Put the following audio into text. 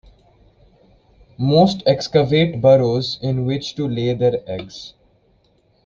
Most excavate burrows in which to lay their eggs.